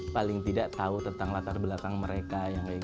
paling tidak tahu tentang latar belakang mereka